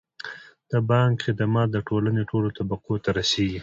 د بانک خدمات د ټولنې ټولو طبقو ته رسیږي.